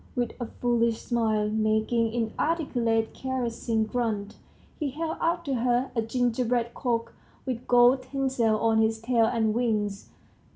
With a foolish smile, making inarticulate caressing grunts, he held out to her a gingerbread cock with gold tinsel on his tail and wings.